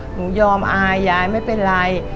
หนูยอมอายยายไม่เป็นไร